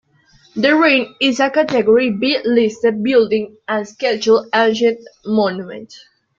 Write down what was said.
The ruin is a category B listed building and a Scheduled Ancient Monument.